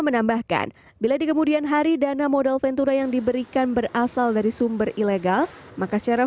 menambahkan bila di kemudian hari dana modal ventura yang diberikan berasal dari sumber ilegal maka secara